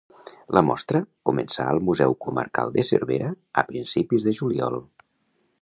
La mostra començà al Museu comarcal de Cervera a principis de juliol.